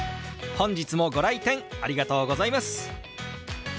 本日もご来店ありがとうございます。